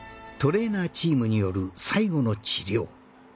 トレーナーチームによる最後の治療